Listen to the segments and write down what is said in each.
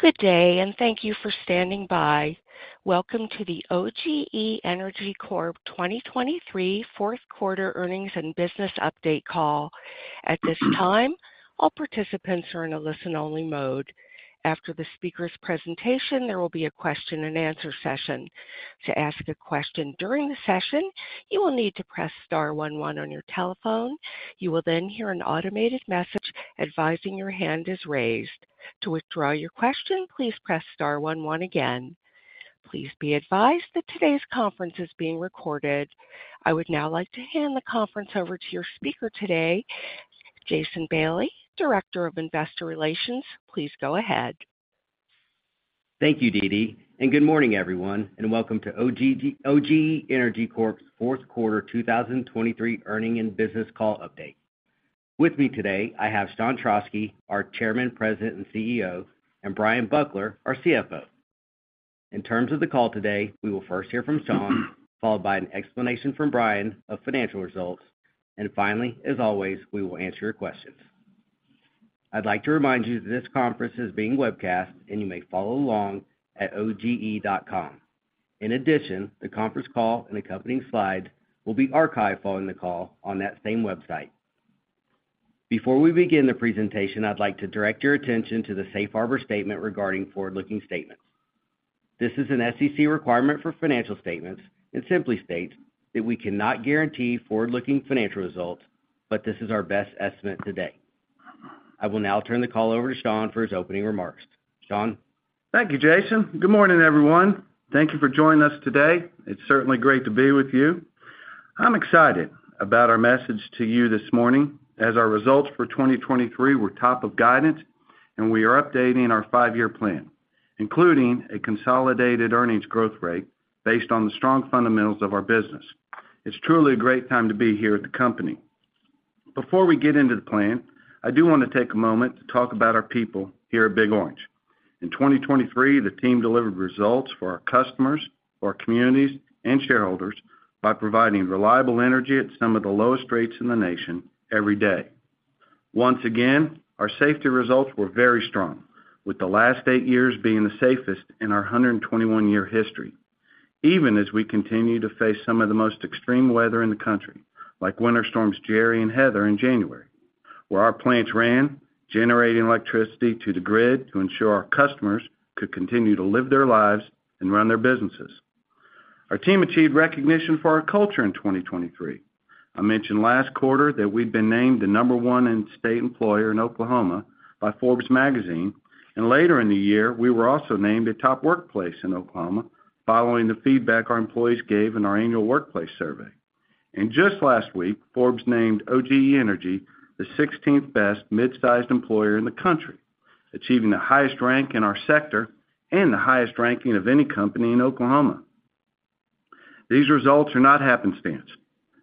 Good day, and thank you for standing by. Welcome to the OGE Energy Corp 2023 fourth-quarter earnings and business update call. At this time, all participants are in a listen-only mode. After the speaker's presentation, there will be a question-and-answer session. To ask a question during the session, you will need to press star 11 on your telephone. You will then hear an automated message advising your hand is raised. To withdraw your question, please press star 11 again. Please be advised that today's conference is being recorded. I would now like to hand the conference over to your speaker today, Jason Bailey, Director of Investor Relations. Please go ahead. Thank you, Dee Dee. Good morning, everyone, and welcome to OGE Energy Corp's fourth-quarter 2023 earnings and business call update. With me today, I have Sean Trauschke, our Chairman, President, and CEO, and Brian Buckler, our CFO. In terms of the call today, we will first hear from Sean, followed by an explanation from Brian of financial results, and finally, as always, we will answer your questions. I'd like to remind you that this conference is being webcast, and you may follow along at OGE.com. In addition, the conference call and accompanying slides will be archived following the call on that same website. Before we begin the presentation, I'd like to direct your attention to the Safe Harbor Statement regarding forward-looking statements. This is an SEC requirement for financial statements, and simply states that we cannot guarantee forward-looking financial results, but this is our best estimate today. I will now turn the call over to Sean for his opening remarks. Sean? Thank you, Jason. Good morning, everyone. Thank you for joining us today. It's certainly great to be with you. I'm excited about our message to you this morning as our results for 2023 were top of guidance, and we are updating our five-year plan, including a consolidated earnings growth rate based on the strong fundamentals of our business. It's truly a great time to be here at the company. Before we get into the plan, I do want to take a moment to talk about our people here at Big Orange. In 2023, the team delivered results for our customers, our communities, and shareholders by providing reliable energy at some of the lowest rates in the nation every day. Once again, our safety results were very strong, with the last eight years being the safest in our 121-year history, even as we continue to face some of the most extreme weather in the country, like winter storms Jerry and Heather in January, where our plants ran generating electricity to the grid to ensure our customers could continue to live their lives and run their businesses. Our team achieved recognition for our culture in 2023. I mentioned last quarter that we'd been named the 1 in-state employer in Oklahoma by Forbes Magazine, and later in the year, we were also named a top workplace in Oklahoma following the feedback our employees gave in our annual workplace survey. Just last week, Forbes named OGE Energy the 16th best midsized employer in the country, achieving the highest rank in our sector and the highest ranking of any company in Oklahoma. These results are not happenstance.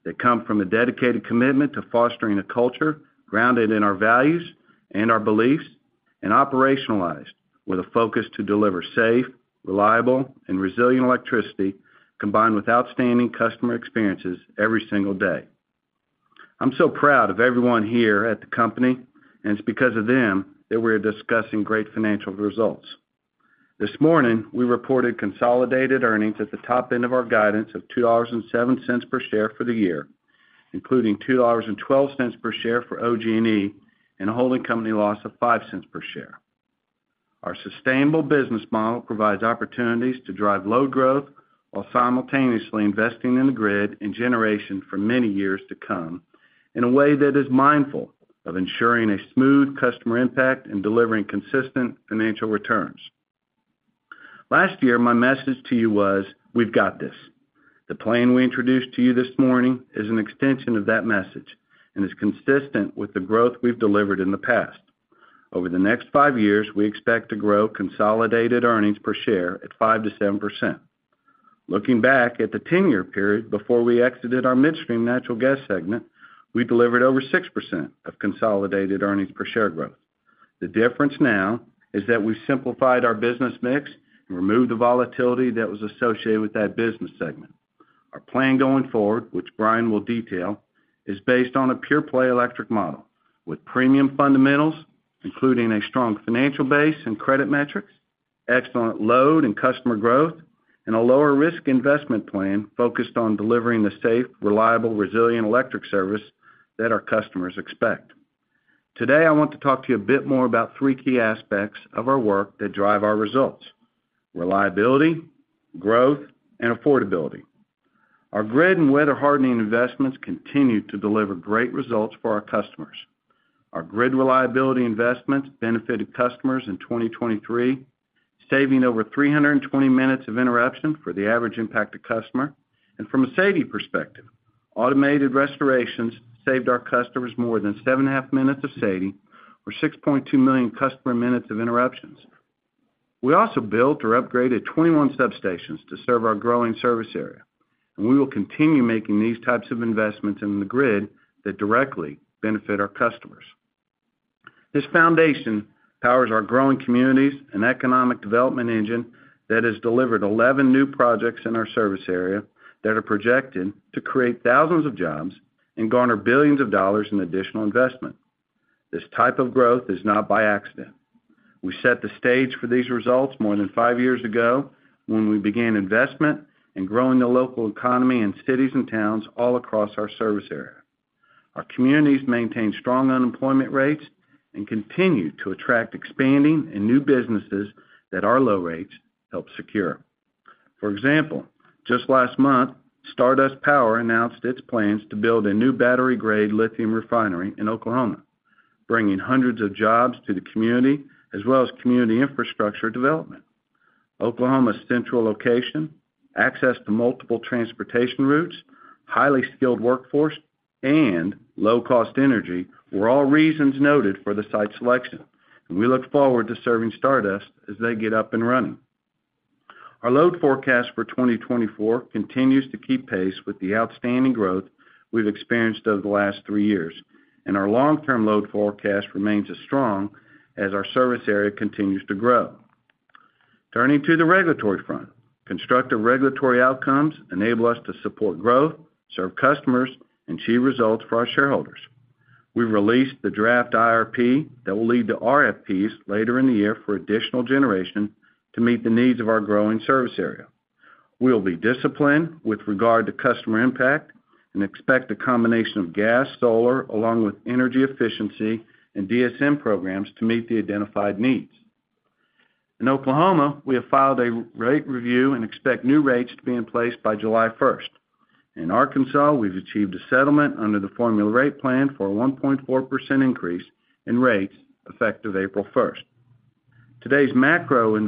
They come from a dedicated commitment to fostering a culture grounded in our values and our beliefs, and operationalized with a focus to deliver safe, reliable, and resilient electricity combined with outstanding customer experiences every single day. I'm so proud of everyone here at the company, and it's because of them that we are discussing great financial results. This morning, we reported consolidated earnings at the top end of our guidance of $2.07 per share for the year, including $2.12 per share for OG&E and a holding company loss of $0.05 per share. Our sustainable business model provides opportunities to drive low growth while simultaneously investing in the grid and generation for many years to come in a way that is mindful of ensuring a smooth customer impact and delivering consistent financial returns. Last year, my message to you was, "We've got this." The plan we introduced to you this morning is an extension of that message and is consistent with the growth we've delivered in the past. Over the next five years, we expect to grow consolidated earnings per share at 5%-7%. Looking back at the 10-year period before we exited our midstream natural gas segment, we delivered over 6% of consolidated earnings per share growth. The difference now is that we've simplified our business mix and removed the volatility that was associated with that business segment. Our plan going forward, which Brian will detail, is based on a pure-play electric model with premium fundamentals, including a strong financial base and credit metrics, excellent load and customer growth, and a lower-risk investment plan focused on delivering the safe, reliable, resilient electric service that our customers expect. Today, I want to talk to you a bit more about three key aspects of our work that drive our results: reliability, growth, and affordability. Our grid and weather-hardening investments continue to deliver great results for our customers. Our grid reliability investments benefited customers in 2023, saving over 320 minutes of interruption for the average impacted customer. From a SAIDI perspective, automated restorations saved our customers more than 7.5 minutes of SAIDI or 6.2 million customer minutes of interruptions. We also built or upgraded 21 substations to serve our growing service area, and we will continue making these types of investments in the grid that directly benefit our customers. This foundation powers our growing communities and economic development engine that has delivered 11 new projects in our service area that are projected to create thousands of jobs and garner billions of dollars in additional investment. This type of growth is not by accident. We set the stage for these results more than five years ago when we began investment and growing the local economy in cities and towns all across our service area. Our communities maintain strong unemployment rates and continue to attract expanding and new businesses that our low rates help secure. For example, just last month, Stardust Power announced its plans to build a new battery-grade lithium refinery in Oklahoma, bringing hundreds of jobs to the community as well as community infrastructure development. Oklahoma's central location, access to multiple transportation routes, highly skilled workforce, and low-cost energy were all reasons noted for the site selection, and we look forward to serving Stardust as they get up and running. Our load forecast for 2024 continues to keep pace with the outstanding growth we've experienced over the last three years, and our long-term load forecast remains as strong as our service area continues to grow. Turning to the regulatory front, constructive regulatory outcomes enable us to support growth, serve customers, and achieve results for our shareholders. We've released the draft IRP that will lead to RFPs later in the year for additional generation to meet the needs of our growing service area. We'll be disciplined with regard to customer impact and expect a combination of gas, solar, along with energy efficiency and DSM programs to meet the identified needs. In Oklahoma, we have filed a rate review and expect new rates to be in place by July 1st. In Arkansas, we've achieved a settlement under the formula rate plan for a 1.4% increase in rates effective April 1st. Today's macroeconomic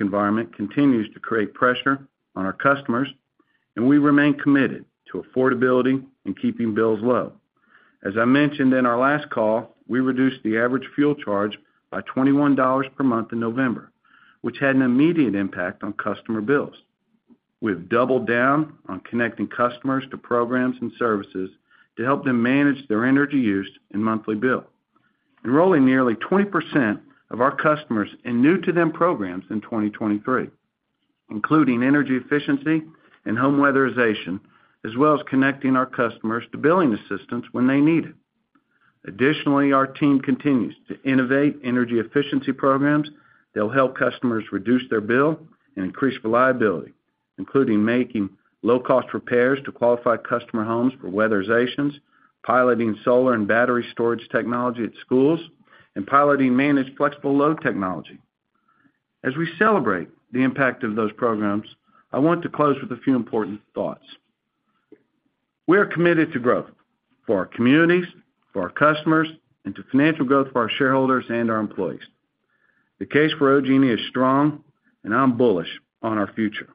environment continues to create pressure on our customers, and we remain committed to affordability and keeping bills low. As I mentioned in our last call, we reduced the average fuel charge by $21 per month in November, which had an immediate impact on customer bills. We've doubled down on connecting customers to programs and services to help them manage their energy use and monthly bill, enrolling nearly 20% of our customers in new-to-them programs in 2023, including energy efficiency and home weatherization, as well as connecting our customers to billing assistance when they need it. Additionally, our team continues to innovate energy efficiency programs that will help customers reduce their bill and increase reliability, including making low-cost repairs to qualified customer homes for weatherizations, piloting solar and battery storage technology at schools, and piloting managed flexible load technology. As we celebrate the impact of those programs, I want to close with a few important thoughts. We are committed to growth for our communities, for our customers, and to financial growth for our shareholders and our employees. The case for OGE Energy is strong, and I'm bullish on our future.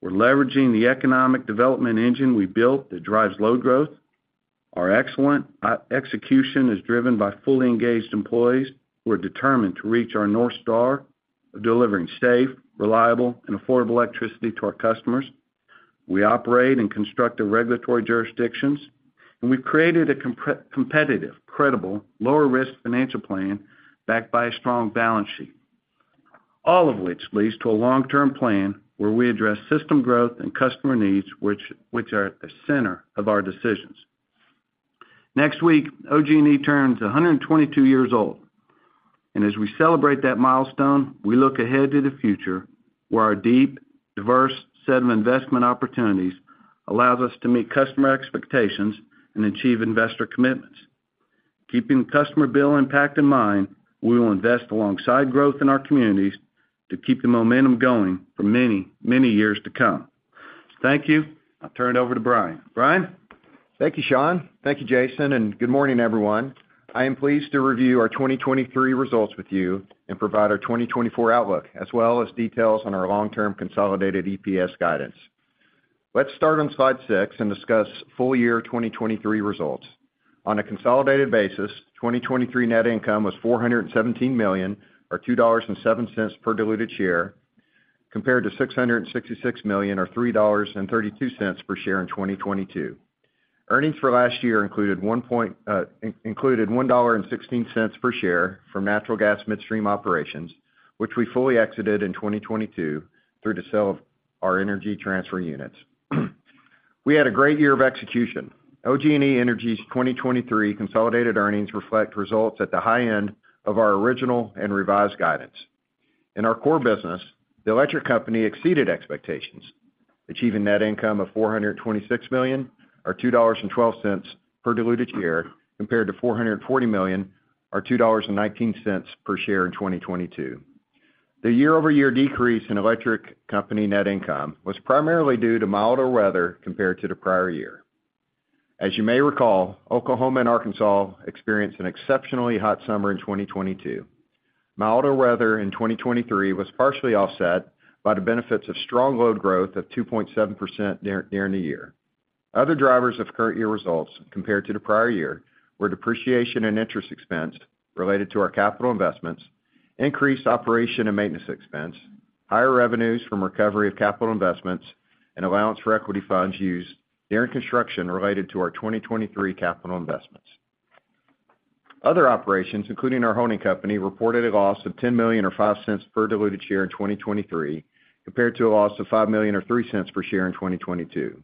We're leveraging the economic development engine we built that drives load growth. Our excellent execution is driven by fully engaged employees who are determined to reach our North Star of delivering safe, reliable, and affordable electricity to our customers. We operate in constructive regulatory jurisdictions, and we've created a competitive, credible, lower-risk financial plan backed by a strong balance sheet, all of which leads to a long-term plan where we address system growth and customer needs, which are at the center of our decisions. Next week, OGE Energy turns 122 years old, and as we celebrate that milestone, we look ahead to the future where our deep, diverse set of investment opportunities allows us to meet customer expectations and achieve investor commitments. Keeping the customer bill impact in mind, we will invest alongside growth in our communities to keep the momentum going for many, many years to come. Thank you. I'll turn it over to Brian. Brian? Thank you, Sean. Thank you, Jason. Good morning, everyone. I am pleased to review our 2023 results with you and provide our 2024 outlook as well as details on our long-term consolidated EPS guidance. Let's start on slide 6 and discuss full-year 2023 results. On a consolidated basis, 2023 net income was $417 million or $2.07 per diluted share compared to $666 million or $3.32 per share in 2022. Earnings for last year included $1.16 per share from natural gas midstream operations, which we fully exited in 2022 through the sale of our Energy Transfer units. We had a great year of execution. OGE Energy's 2023 consolidated earnings reflect results at the high end of our original and revised guidance. In our core business, the electric company exceeded expectations, achieving net income of $426 million or $2.12 per diluted share compared to $440 million or $2.19 per share in 2022. The year-over-year decrease in electric company net income was primarily due to milder weather compared to the prior year. As you may recall, Oklahoma and Arkansas experienced an exceptionally hot summer in 2022. Milder weather in 2023 was partially offset by the benefits of strong load growth of 2.7% during the year. Other drivers of current year results compared to the prior year were depreciation and interest expense related to our capital investments, increased operation and maintenance expense, higher revenues from recovery of capital investments, and allowance for equity funds used during construction related to our 2023 capital investments. Other operations, including our holding company, reported a loss of $10 million or $0.05 per diluted share in 2023 compared to a loss of $5 million or $0.03 per share in 2022.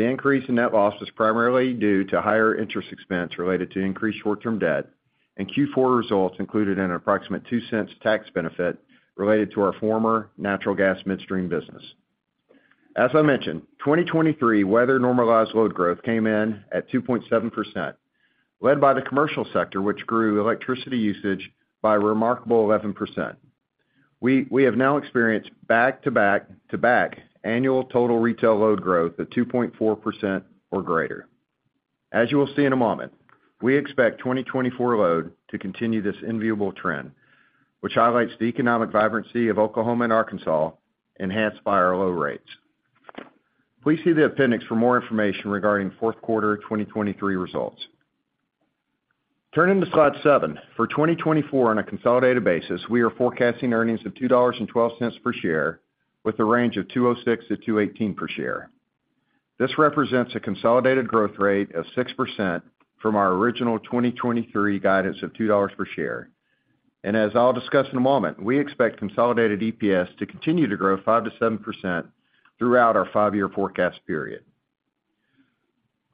The increase in net loss was primarily due to higher interest expense related to increased short-term debt, and Q4 results included an approximate $0.02 tax benefit related to our former natural gas midstream business. As I mentioned, 2023 weather-normalized load growth came in at 2.7%, led by the commercial sector, which grew electricity usage by a remarkable 11%. We have now experienced back-to-back-to-back annual total retail load growth of 2.4% or greater. As you will see in a moment, we expect 2024 load to continue this enviable trend, which highlights the economic vibrancy of Oklahoma and Arkansas enhanced by our low rates. Please see the appendix for more information regarding fourth quarter 2023 results. Turning to slide 7. For 2024, on a consolidated basis, we are forecasting earnings of $2.12 per share with a range of $2.06-$2.18 per share. This represents a consolidated growth rate of 6% from our original 2023 guidance of $2 per share. As I'll discuss in a moment, we expect consolidated EPS to continue to grow 5%-7% throughout our five-year forecast period.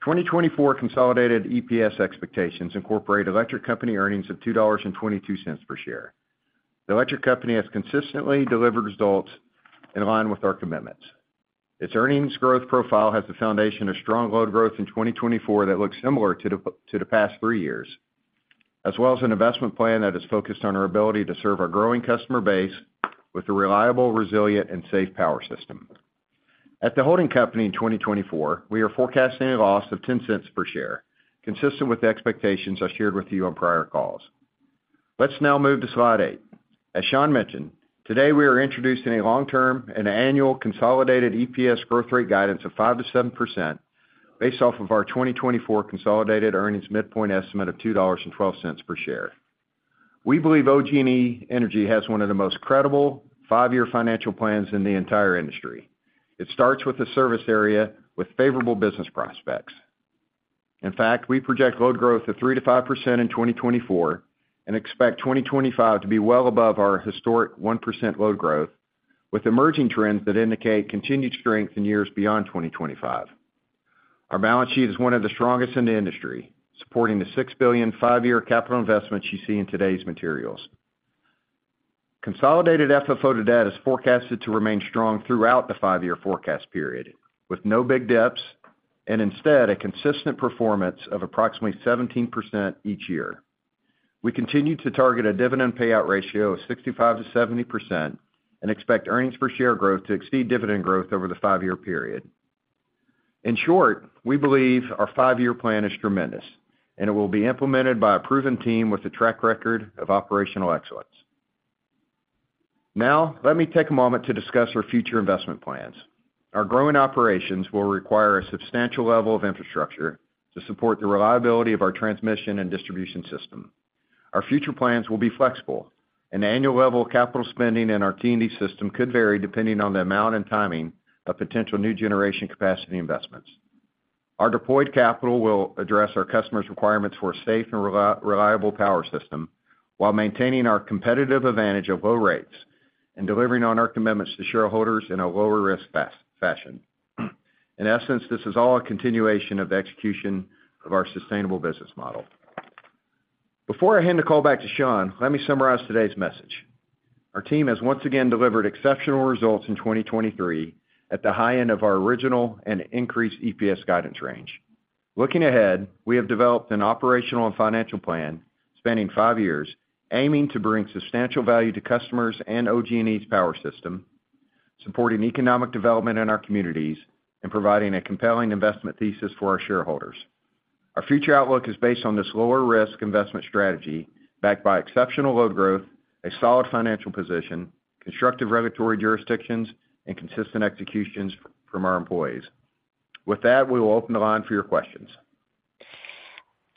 2024 consolidated EPS expectations incorporate electric company earnings of $2.22 per share. The electric company has consistently delivered results in line with our commitments. Its earnings growth profile has the foundation of strong load growth in 2024 that looks similar to the past three years, as well as an investment plan that is focused on our ability to serve our growing customer base with a reliable, resilient, and safe power system. At the holding company in 2024, we are forecasting a loss of $0.10 per share, consistent with the expectations I shared with you on prior calls. Let's now move to slide eight. As Sean mentioned, today we are introducing a long-term and annual consolidated EPS growth rate guidance of 5%-7% based off of our 2024 consolidated earnings midpoint estimate of $2.12 per share. We believe OGE Energy has one of the most credible five-year financial plans in the entire industry. It starts with a service area with favorable business prospects. In fact, we project load growth of 3%-5% in 2024 and expect 2025 to be well above our historic 1% load growth, with emerging trends that indicate continued strength in years beyond 2025. Our balance sheet is one of the strongest in the industry, supporting the $6 billion five-year capital investments you see in today's materials. Consolidated FFO to debt is forecasted to remain strong throughout the five-year forecast period, with no big dips, and instead a consistent performance of approximately 17% each year. We continue to target a dividend payout ratio of 65%-70% and expect earnings per share growth to exceed dividend growth over the five-year period. In short, we believe our five-year plan is tremendous, and it will be implemented by a proven team with a track record of operational excellence. Now, let me take a moment to discuss our future investment plans. Our growing operations will require a substantial level of infrastructure to support the reliability of our transmission and distribution system. Our future plans will be flexible, and annual level capital spending in our T&D system could vary depending on the amount and timing of potential new generation capacity investments. Our deployed capital will address our customers' requirements for a safe and reliable power system while maintaining our competitive advantage of low rates and delivering on our commitments to shareholders in a lower-risk fashion. In essence, this is all a continuation of the execution of our sustainable business model. Before I hand the call back to Sean, let me summarize today's message. Our team has once again delivered exceptional results in 2023 at the high end of our original and increased EPS guidance range. Looking ahead, we have developed an operational and financial plan spanning five years aiming to bring substantial value to customers and OGE Energy's power system, supporting economic development in our communities, and providing a compelling investment thesis for our shareholders. Our future outlook is based on this lower-risk investment strategy backed by exceptional load growth, a solid financial position, constructive regulatory jurisdictions, and consistent executions from our employees. With that, we will open the line for your questions.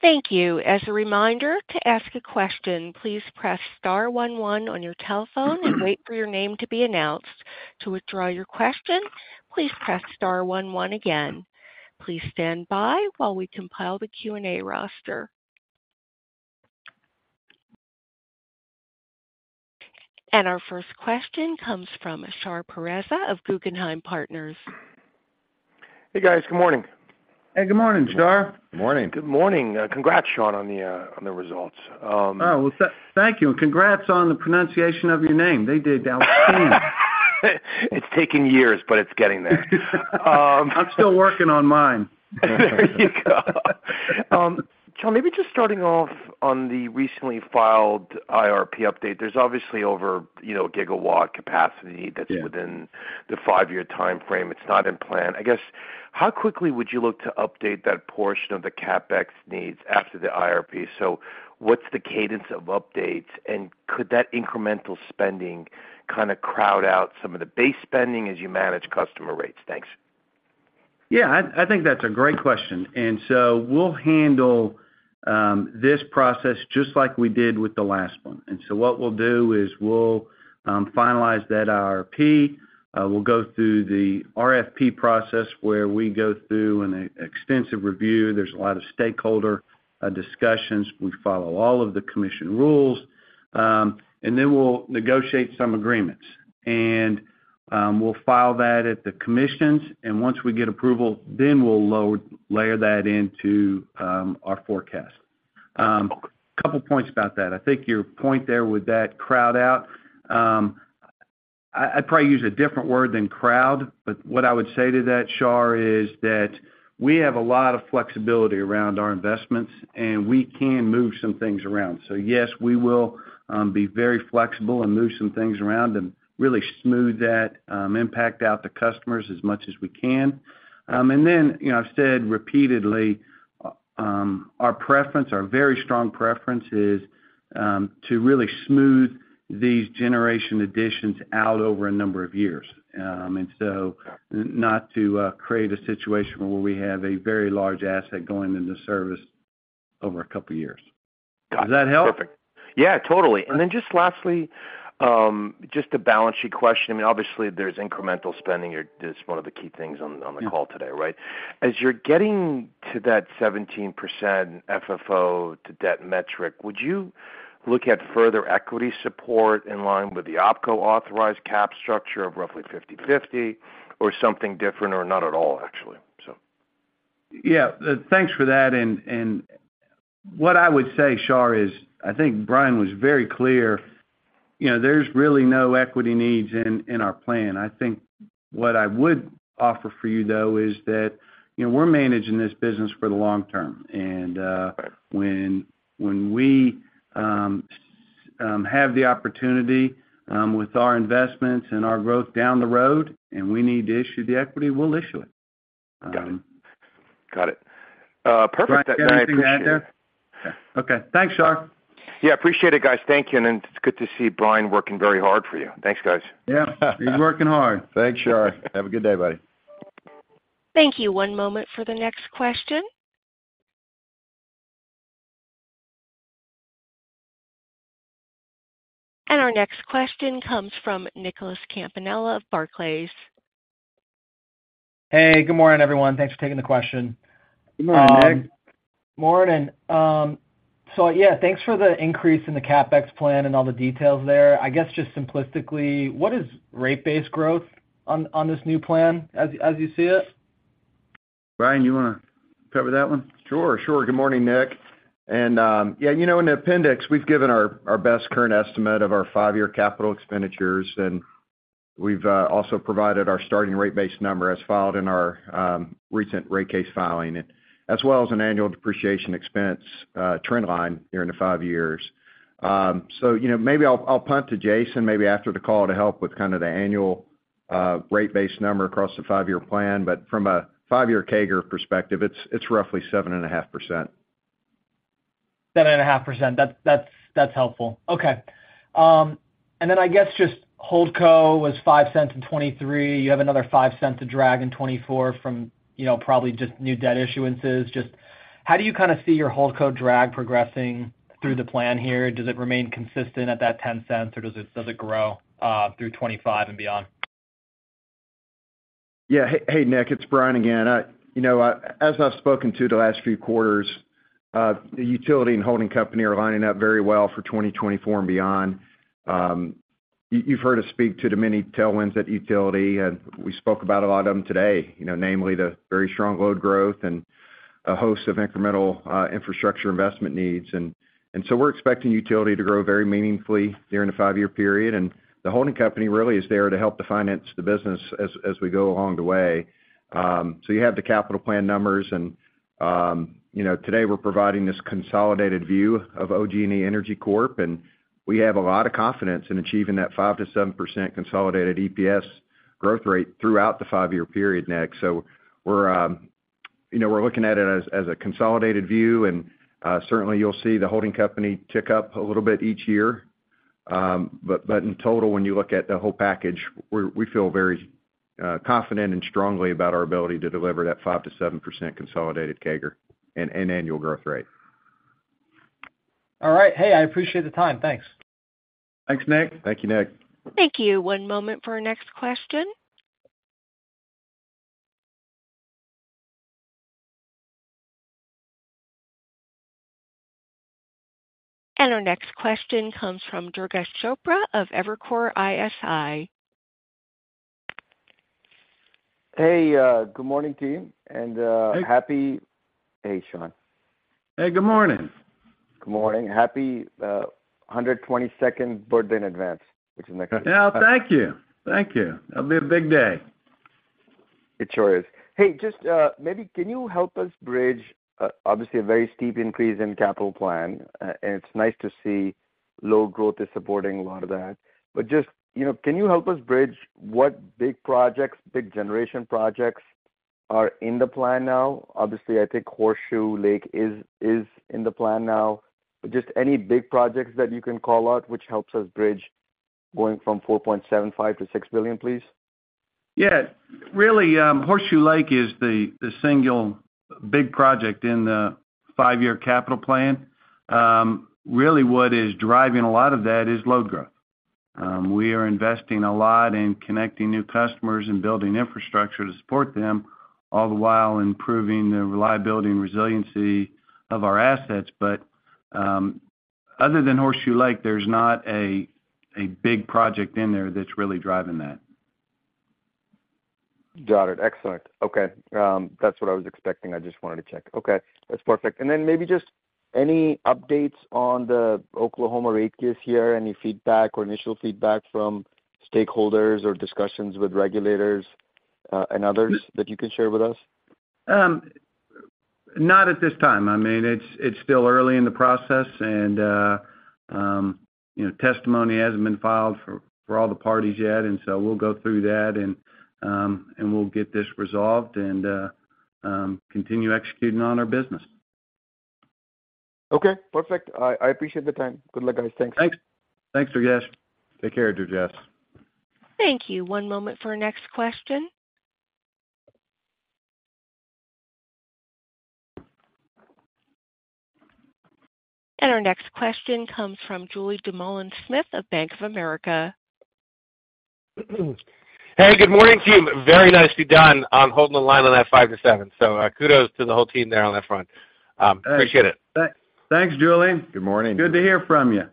Thank you. As a reminder, to ask a question, please press star 11 on your telephone and wait for your name to be announced. To withdraw your question, please press star 11 again. Please stand by while we compile the Q&A roster. Our first question comes from Shar Pourreza of Guggenheim Partners. Hey, guys. Good morning. Hey, good morning, Shar. Good morning. Good morning. Congrats, Sean, on the results. Oh, well, thank you. And congrats on the pronunciation of your name. They did. That was clean. It's taken years, but it's getting there. I'm still working on mine. There you go. Sean, maybe just starting off on the recently filed IRP update. There's obviously over a gigawatt capacity that's within the five-year time frame. It's not in plan. I guess, how quickly would you look to update that portion of the CapEx needs after the IRP? So what's the cadence of updates, and could that incremental spending kind of crowd out some of the base spending as you manage customer rates? Thanks. Yeah, I think that's a great question. And so we'll handle this process just like we did with the last one. And so what we'll do is we'll finalize that IRP. We'll go through the RFP process where we go through an extensive review. There's a lot of stakeholder discussions. We follow all of the commission rules. And then we'll negotiate some agreements. And we'll file that at the commissions. And once we get approval, then we'll layer that into our forecast. A couple of points about that. I think your point there with that crowd out, I'd probably use a different word than crowd, but what I would say to that, Shar, is that we have a lot of flexibility around our investments, and we can move some things around. So yes, we will be very flexible and move some things around and really smooth that impact out to customers as much as we can. And then I've said repeatedly, our very strong preference is to really smooth these generation additions out over a number of years and so not to create a situation where we have a very large asset going into service over a couple of years. Does that help? Perfect. Yeah, totally. And then just lastly, just a balance sheet question. I mean, obviously, there's incremental spending. That's one of the key things on the call today, right? As you're getting to that 17% FFO to debt metric, would you look at further equity support in line with the OPCO-authorized cap structure of roughly 50/50 or something different or not at all, actually, so. Yeah, thanks for that. And what I would say, Shar, is I think Brian was very clear. There's really no equity needs in our plan. I think what I would offer for you, though, is that we're managing this business for the long term. And when we have the opportunity with our investments and our growth down the road and we need to issue the equity, we'll issue it. Got it. Got it. Perfect. I appreciate it. Did I say anything out there? Okay. Thanks, Shar. Yeah, appreciate it, guys. Thank you. It's good to see Brian working very hard for you. Thanks, guys. Yeah, he's working hard. Thanks Shar. Have a good day, buddy. Thank you. One moment for the next question. Our next question comes from Nicholas Campanella of Barclays. Hey, good morning, everyone. Thanks for taking the question. Good morning, Nick. Morning. So yeah, thanks for the increase in the CapEx plan and all the details there. I guess just simplistically, what is rate-based growth on this new plan as you see it? Brian, you want to cover that one? Sure. Sure. Good morning, Nick. And yeah, in the appendix, we've given our best current estimate of our five-year capital expenditures, and we've also provided our starting rate-based number as filed in our recent rate case filing, as well as an annual depreciation expense trend line during the five years. So maybe I'll punt to Jason maybe after the call to help with kind of the annual rate-based number across the five-year plan. But from a five-year CAGR perspective, it's roughly 7.5%. 7.5%. That's helpful. Okay. And then I guess just hold co was $0.05 in 2023. You have another $0.05 to drag in 2024 from probably just new debt issuances. Just how do you kind of see your hold co drag progressing through the plan here? Does it remain consistent at that $0.10, or does it grow through 2025 and beyond? Yeah. Hey, Nick, it's Brian again. As I've spoken to the last few quarters, the utility and holding company are lining up very well for 2024 and beyond. You've heard us speak to the many tailwinds at utility, and we spoke about a lot of them today, namely the very strong load growth and a host of incremental infrastructure investment needs. And so we're expecting utility to grow very meaningfully during the five-year period. And the holding company really is there to help to finance the business as we go along the way. So you have the capital plan numbers. And today, we're providing this consolidated view of OGE Energy Corp, and we have a lot of confidence in achieving that 5%-7% consolidated EPS growth rate throughout the five-year period, Nick. So we're looking at it as a consolidated view. Certainly, you'll see the holding company tick up a little bit each year. In total, when you look at the whole package, we feel very confident and strongly about our ability to deliver that 5%-7% consolidated CAGR and annual growth rate. All right. Hey, I appreciate the time. Thanks. Thanks, Nick. Thank you, Nick. Thank you. One moment for our next question. Our next question comes from Durgesh Chopra of Evercore ISI. Hey, good morning, team. Happy hey, Sean. Hey, good morning. Good morning. Happy 122nd birthday in advance, which is next week. Oh, thank you. Thank you. That'll be a big day. It sure is. Hey, maybe can you help us bridge obviously, a very steep increase in capital plan, and it's nice to see low growth is supporting a lot of that. But just can you help us bridge what big projects, big generation projects are in the plan now? Obviously, I think Horseshoe Lake is in the plan now. But just any big projects that you can call out which helps us bridge going from $4.75 billion-$6 billion, please. Yeah. Really, Horseshoe Lake is the single big project in the five-year capital plan. Really, what is driving a lot of that is load growth. We are investing a lot in connecting new customers and building infrastructure to support them, all the while improving the reliability and resiliency of our assets. But other than Horseshoe Lake, there's not a big project in there that's really driving that. Got it. Excellent. Okay. That's what I was expecting. I just wanted to check. Okay. That's perfect. Then maybe just any updates on the Oklahoma rate case here, any feedback or initial feedback from stakeholders or discussions with regulators and others that you can share with us? Not at this time. I mean, it's still early in the process, and testimony hasn't been filed for all the parties yet. And so we'll go through that, and we'll get this resolved and continue executing on our business. Okay. Perfect. I appreciate the time. Good luck, guys. Thanks. Thanks. Thanks, Durgesh. Take care, Durgesh. Thank you. One moment for our next question. Our next question comes from Julien Dumoulin-Smith of Bank of America. Hey, good morning, team. Very nice to be done holding the line on that 5-7. So kudos to the whole team there on that front. Appreciate it. Thanks, Julie. Good morning. Good to hear from you.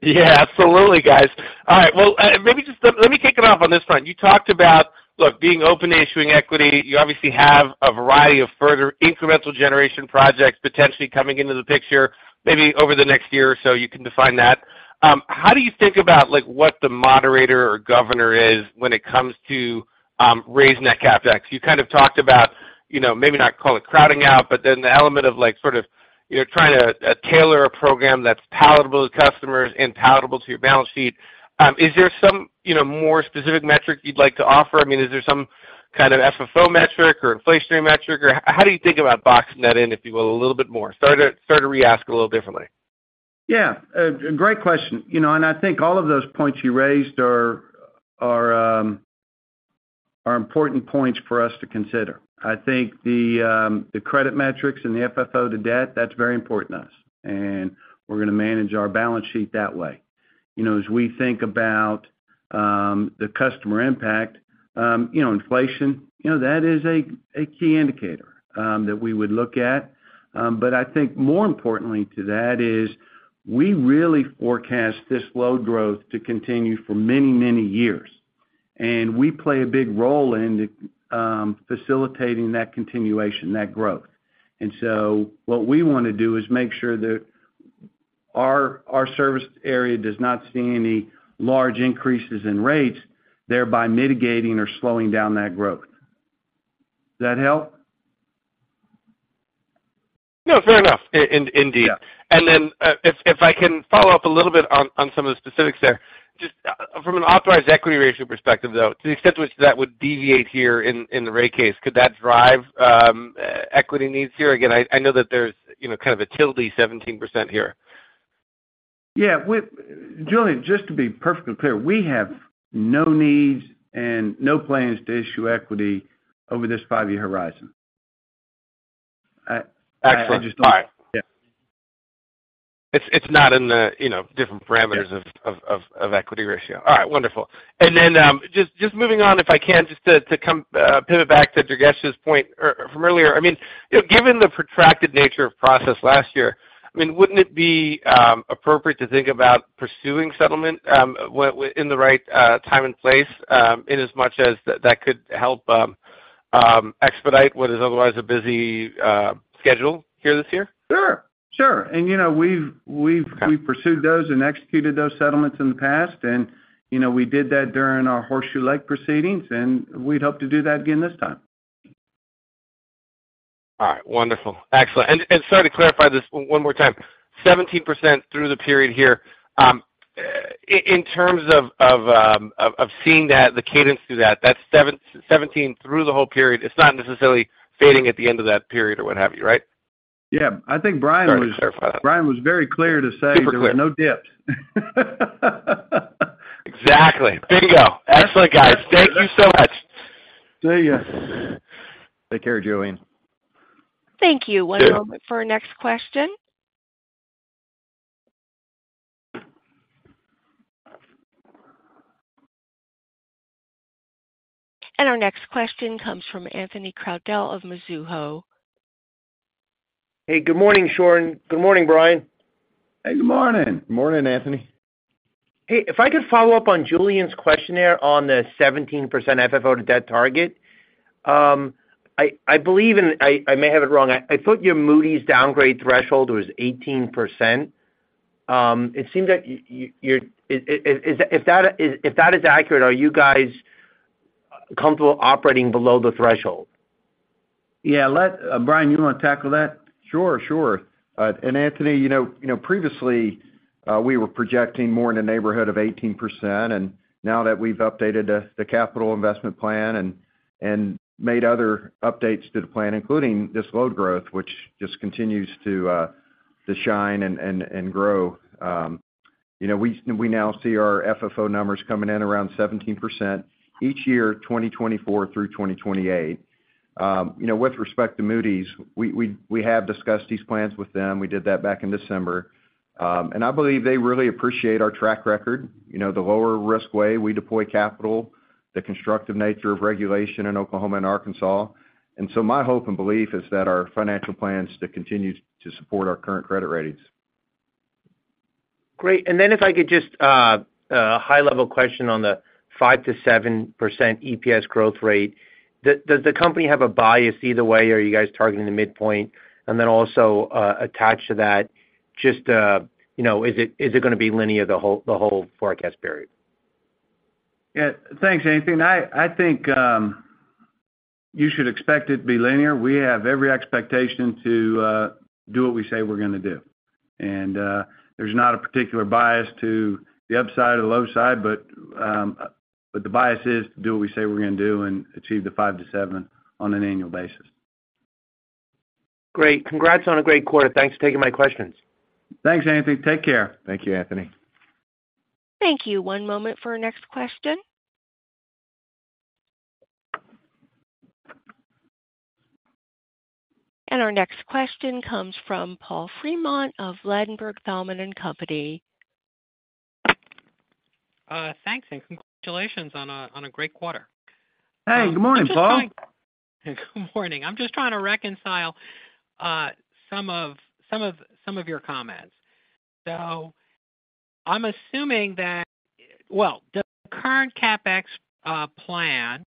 Yeah, absolutely, guys. All right. Well, maybe just let me kick it off on this front. You talked about, look, being open to issuing equity. You obviously have a variety of further incremental generation projects potentially coming into the picture maybe over the next year or so. You can define that. How do you think about what the moderator or governor is when it comes to raising that CapEx? You kind of talked about maybe not call it crowding out, but then the element of sort of trying to tailor a program that's palatable to customers and palatable to your balance sheet. Is there some more specific metric you'd like to offer? I mean, is there some kind of FFO metric or inflationary metric? Or how do you think about boxing that in, if you will, a little bit more? Start to reask a little differently. Yeah, great question. And I think all of those points you raised are important points for us to consider. I think the credit metrics and the FFO to debt, that's very important to us. And we're going to manage our balance sheet that way. As we think about the customer impact, inflation, that is a key indicator that we would look at. But I think more importantly to that is we really forecast this load growth to continue for many, many years. And we play a big role in facilitating that continuation, that growth. And so what we want to do is make sure that our service area does not see any large increases in rates, thereby mitigating or slowing down that growth. Does that help? No, fair enough. Indeed. And then if I can follow up a little bit on some of the specifics there, just from an authorized equity ratio perspective, though, to the extent to which that would deviate here in the rate case, could that drive equity needs here? Again, I know that there's kind of a target 17% here. Yeah. Julie, just to be perfectly clear, we have no needs and no plans to issue equity over this five-year horizon. Excellent. All right. Yeah. It's not in the different parameters of equity ratio. All right. Wonderful. And then just moving on, if I can, just to pivot back to Durgesh's point from earlier. I mean, given the protracted nature of process last year, I mean, wouldn't it be appropriate to think about pursuing settlement in the right time and place in as much as that could help expedite what is otherwise a busy schedule here this year? Sure. Sure. And we've pursued those and executed those settlements in the past. And we did that during our Horseshoe Lake proceedings. And we'd hope to do that again this time. All right. Wonderful. Excellent. Sorry to clarify this one more time. 17% through the period here. In terms of seeing the cadence through that, that's 17% through the whole period. It's not necessarily fading at the end of that period or what have you, right? Yeah. I think Brian was very clear to say there were no dips. Super clear. Exactly. Bingo. Excellent, guys. Thank you so much. See you. Take care, Joanne. Thank you. One moment for our next question. Our next question comes from Anthony Crowdell of Mizuho. Hey, good morning, Sean. Good morning, Brian. Hey, good morning. Good morning, Anthony. Hey, if I could follow up on Julien's question on the 17% FFO to debt target, I believe I may have it wrong. I thought your Moody's downgrade threshold was 18%. It seems that if that is accurate, are you guys comfortable operating below the threshold? Yeah. Brian, you want to tackle that? Sure. Sure. And Anthony, previously, we were projecting more in the neighborhood of 18%. And now that we've updated the capital investment plan and made other updates to the plan, including this load growth, which just continues to shine and grow, we now see our FFO numbers coming in around 17% each year, 2024 through 2028. With respect to Moody's, we have discussed these plans with them. We did that back in December. And I believe they really appreciate our track record, the lower-risk way we deploy capital, the constructive nature of regulation in Oklahoma and Arkansas. And so my hope and belief is that our financial plans continue to support our current credit ratings. Great. And then if I could just a high-level question on the 5%-7% EPS growth rate, does the company have a bias either way, or are you guys targeting the midpoint? And then also attached to that, just is it going to be linear, the whole forecast period? Yeah. Thanks, Anthony. I think you should expect it to be linear. We have every expectation to do what we say we're going to do. And there's not a particular bias to the upside or the low side, but the bias is to do what we say we're going to do and achieve the 5-7 on an annual basis. Great. Congrats on a great quarter. Thanks for taking my questions. Thanks, Anthony. Take care. Thank you, Anthony. Thank you. One moment for our next question. Our next question comes from Paul Fremont of Ledenburg Thalmann & Company. Thanks, and congratulations on a great quarter. Hey, good morning, Paul. Good morning. I'm just trying to reconcile some of your comments. So I'm assuming that, well, does the current CapEx plan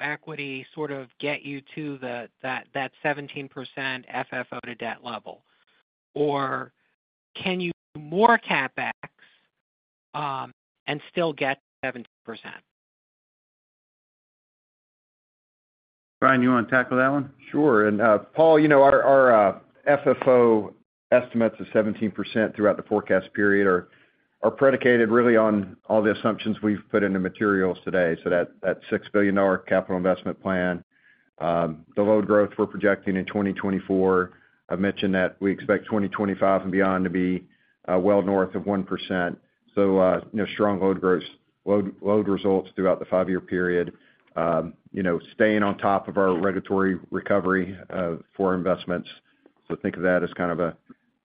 equity sort of get you to that 17% FFO to debt level? Or can you do more CapEx and still get 17%? Brian, you want to tackle that one? Sure. And Paul, our FFO estimates of 17% throughout the forecast period are predicated really on all the assumptions we've put into materials today. So that $6 billion capital investment plan, the load growth we're projecting in 2024, I've mentioned that we expect 2025 and beyond to be well north of 1%. So strong load results throughout the five-year period, staying on top of our regulatory recovery for investments. So think of that as kind of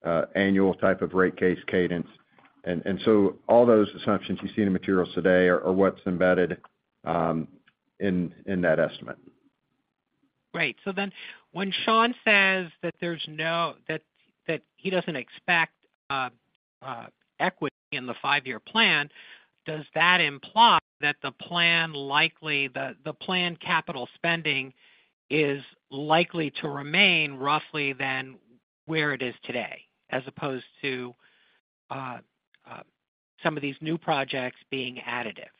an annual type of rate case cadence. And so all those assumptions you see in the materials today are what's embedded in that estimate. Great. So then when Sean says that he doesn't expect equity in the five-year plan, does that imply that the plan capital spending is likely to remain roughly than where it is today, as opposed to some of these new projects being additive?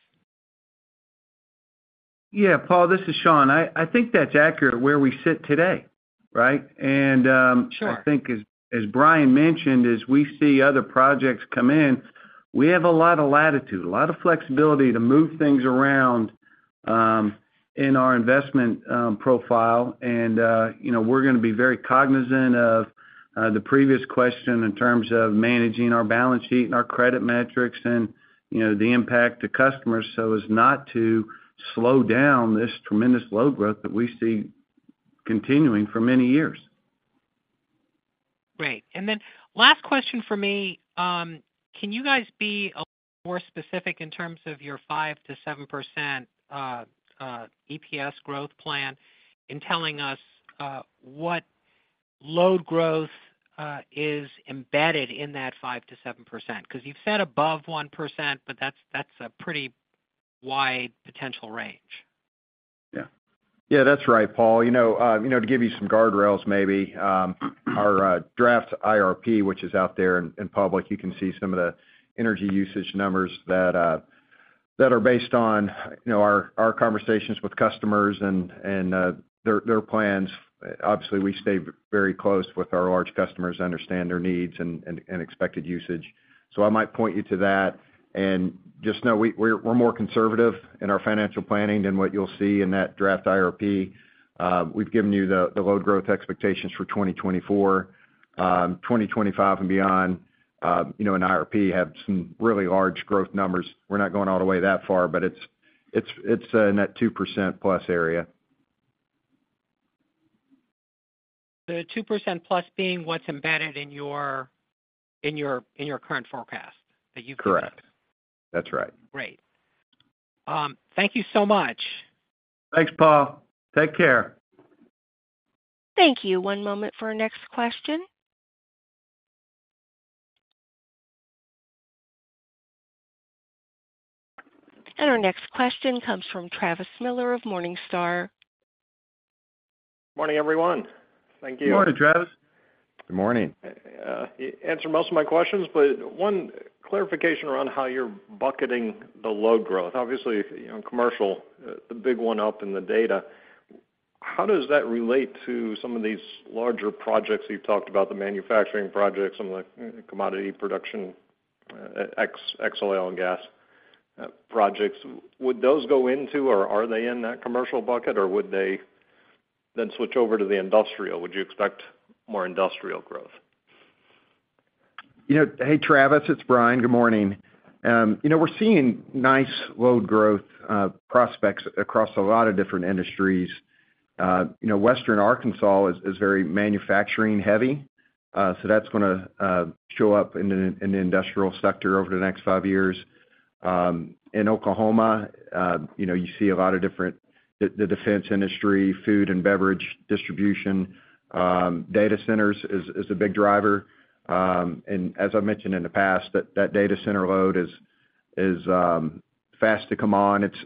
Yeah. Paul, this is Sean. I think that's accurate where we sit today, right? And I think, as Brian mentioned, as we see other projects come in, we have a lot of latitude, a lot of flexibility to move things around in our investment profile. And we're going to be very cognizant of the previous question in terms of managing our balance sheet and our credit metrics and the impact to customers so as not to slow down this tremendous load growth that we see continuing for many years. Great. And then last question for me. Can you guys be a little more specific in terms of your 5%-7% EPS growth plan in telling us what load growth is embedded in that 5%-7%? Because you've said above 1%, but that's a pretty wide potential range. Yeah. Yeah, that's right, Paul. To give you some guardrails, maybe, our draft IRP, which is out there in public, you can see some of the energy usage numbers that are based on our conversations with customers and their plans. Obviously, we stay very close with our large customers, understand their needs and expected usage. So I might point you to that. And just know we're more conservative in our financial planning than what you'll see in that draft IRP. We've given you the load growth expectations for 2024, 2025 and beyond. The IRP has some really large growth numbers. We're not going all the way that far, but it's in that 2%+ area. The 2%+ being what's embedded in your current forecast that you've given? Correct. That's right. Great. Thank you so much. Thanks, Paul. Take care. Thank you. One moment for our next question. Our next question comes from Travis Miller of Morningstar. Morning, everyone. Thank you. Good morning, Travis. Good morning. Answer most of my questions, but one clarification around how you're bucketing the load growth. Obviously, commercial, the big one up in the data, how does that relate to some of these larger projects you've talked about, the manufacturing projects, some of the commodity production, XOL and gas projects? Would those go into, or are they in that commercial bucket, or would they then switch over to the industrial? Would you expect more industrial growth? Hey, Travis. It's Brian. Good morning. We're seeing nice load growth prospects across a lot of different industries. Western Arkansas is very manufacturing-heavy. So that's going to show up in the industrial sector over the next five years. In Oklahoma, you see a lot of different the defense industry, food and beverage distribution, data centers is a big driver. And as I've mentioned in the past, that data center load is fast to come on. It's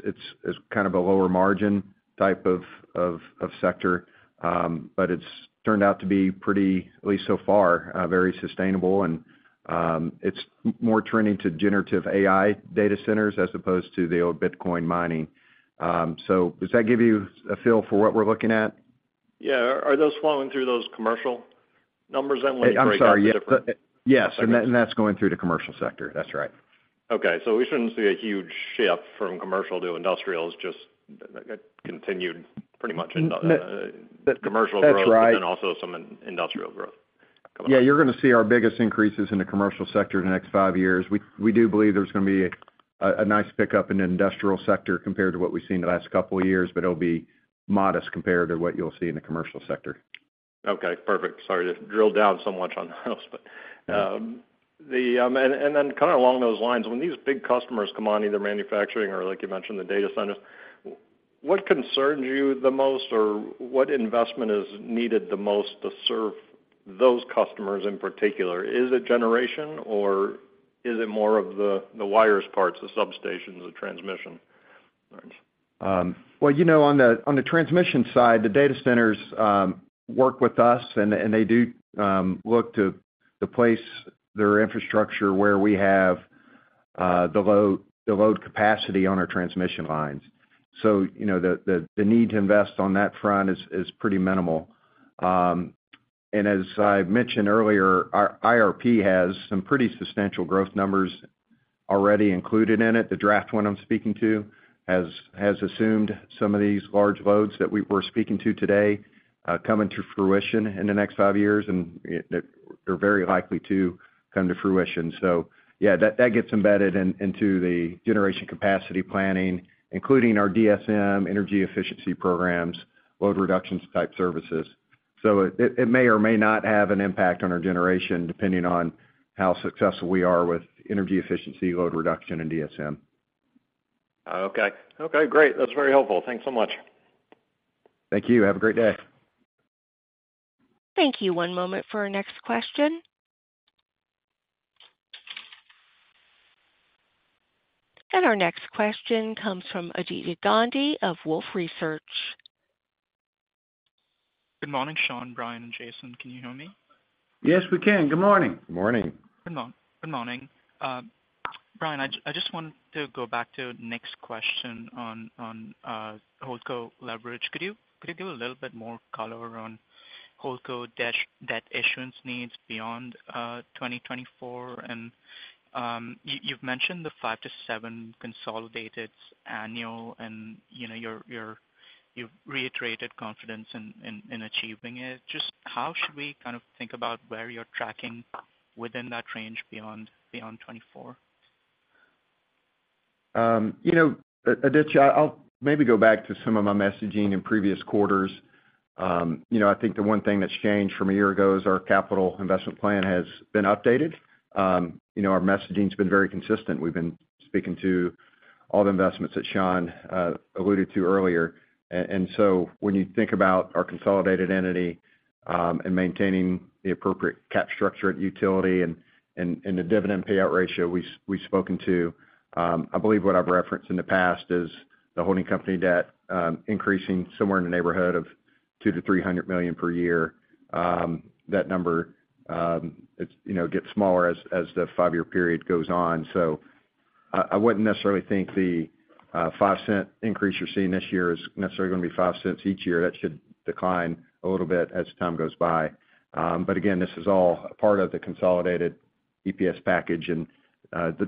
kind of a lower margin type of sector. But it's turned out to be pretty, at least so far, very sustainable. And it's more trending to generative AI data centers as opposed to the old Bitcoin mining. So does that give you a feel for what we're looking at? Yeah. Are those flowing through those commercial numbers, and what do you break out? I'm sorry. Yes. And that's going through the commercial sector. That's right. Okay. So we shouldn't see a huge shift from commercial to industrial. It's just continued pretty much in commercial growth and then also some industrial growth coming up. Yeah. You're going to see our biggest increases in the commercial sector, the next five years. We do believe there's going to be a nice pickup in the industrial sector compared to what we've seen the last couple of years, but it'll be modest compared to what you'll see in the commercial sector. Okay. Perfect. Sorry to drill down so much on those, but then kind of along those lines, when these big customers come on, either manufacturing or, like you mentioned, the data centers, what concerns you the most, or what investment is needed the most to serve those customers in particular? Is it generation, or is it more of the wires parts, the substations, the transmission lines? Well, on the transmission side, the data centers work with us, and they do look to place their infrastructure where we have the load capacity on our transmission lines. So the need to invest on that front is pretty minimal. And as I mentioned earlier, IRP has some pretty substantial growth numbers already included in it. The draft one I'm speaking to has assumed some of these large loads that we were speaking to today coming to fruition in the next five years. And they're very likely to come to fruition. So yeah, that gets embedded into the generation capacity planning, including our DSM, energy efficiency programs, load reduction-type services. So it may or may not have an impact on our generation, depending on how successful we are with energy efficiency, load reduction, and DSM. Okay. Okay. Great. That's very helpful. Thanks so much. Thank you. Have a great day. Thank you. One moment for our next question. Our next question comes from Aditya Gandhi of Wolfe Research. Good morning, Sean, Brian, and Jason. Can you hear me? Yes, we can. Good morning. Good morning. Good morning. Brian, I just wanted to go back to next question on overall leverage. Could you give a little bit more color on overall debt issuance needs beyond 2024? And you've mentioned the 5-7 consolidated annual, and you've reiterated confidence in achieving it. Just how should we kind of think about where you're tracking within that range beyond 2024? Adecha, I'll maybe go back to some of my messaging in previous quarters. I think the one thing that's changed from a year ago is our capital investment plan has been updated. Our messaging's been very consistent. We've been speaking to all the investments that Sean alluded to earlier. And so when you think about our consolidated entity and maintaining the appropriate cap structure at utility and the dividend payout ratio we've spoken to, I believe what I've referenced in the past is the holding company debt increasing somewhere in the neighborhood of $200-$300 million per year. That number gets smaller as the five-year period goes on. So I wouldn't necessarily think the $0.05 increase you're seeing this year is necessarily going to be $0.05 each year. That should decline a little bit as time goes by. But again, this is all part of the consolidated EPS package.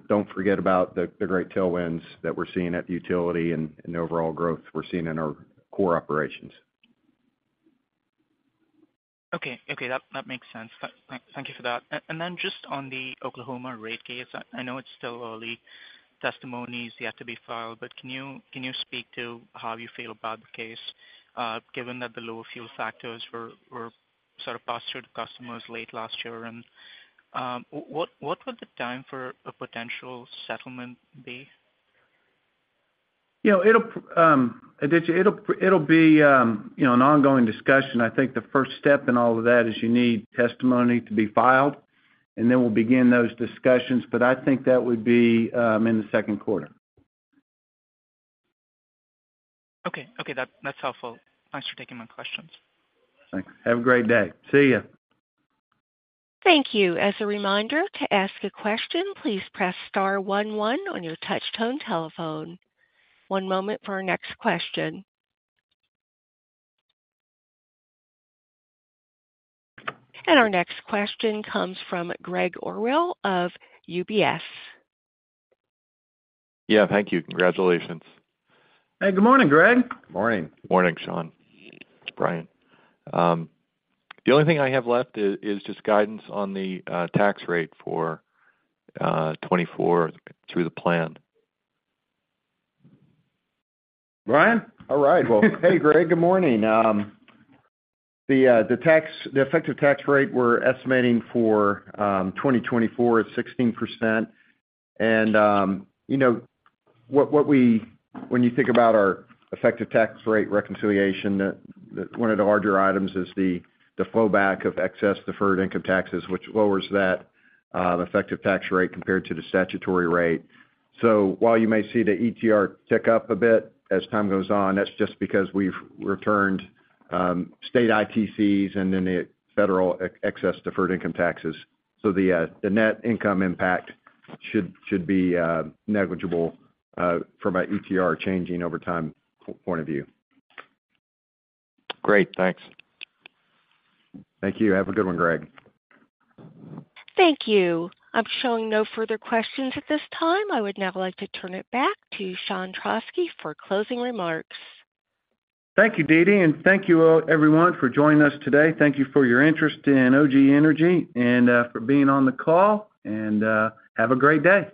Don't forget about the great tailwinds that we're seeing at the utility and the overall growth we're seeing in our core operations. Okay. Okay. That makes sense. Thank you for that. And then just on the Oklahoma rate case, I know it's still early. Testimonies yet to be filed, but can you speak to how you feel about the case, given that the lower fuel factors were sort of postured to customers late last year? And what would the time for a potential settlement be? Adecha, it'll be an ongoing discussion. I think the first step in all of that is you need testimony to be filed, and then we'll begin those discussions. But I think that would be in the second quarter. Okay. Okay. That's helpful. Thanks for taking my questions. Thanks. Have a great day. See you. Thank you. As a reminder, to ask a question, please press star 11 on your touch-tone telephone. One moment for our next question. Our next question comes from Greg Orrill of UBS. Yeah. Thank you. Congratulations. Hey. Good morning, Greg. Good morning. Morning, Sean. Brian. The only thing I have left is just guidance on the tax rate for 2024 through the plan. Brian. All right. Well, hey, Greg. Good morning. The effective tax rate we're estimating for 2024 is 16%. And when you think about our effective tax rate reconciliation, one of the larger items is the flowback of excess deferred income taxes, which lowers that effective tax rate compared to the statutory rate. So while you may see the ETR tick up a bit as time goes on, that's just because we've returned state ITCs and then the federal excess deferred income taxes. So the net income impact should be negligible from an ETR changing over time point of view. Great. Thanks. Thank you. Have a good one, Greg. Thank you. I'm showing no further questions at this time. I would now like to turn it back to Sean Trauschke for closing remarks. Thank you, Dee Dee. And thank you, everyone, for joining us today. Thank you for your interest in OGE Energy and for being on the call. Have a great day.